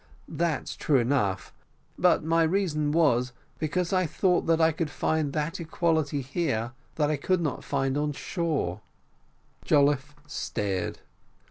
"That's true enough; but my reason was, because I thought I should find that equality here that I could not find on shore." Jolliffe stared.